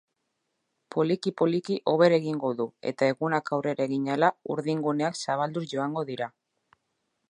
Poliki-poliki hobera egingo du eta egunak aurrera egin ahala urdinguneak zabalduz joango dira.